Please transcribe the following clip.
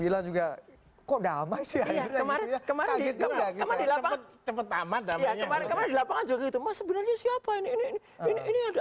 itu kan selain jubalan pengusut